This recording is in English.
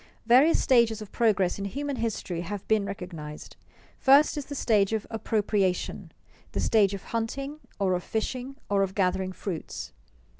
_ Various stages of progress in human history have been recognized. First is the stage of appropriation the stage of hunting, or of fishing, or of gathering fruits.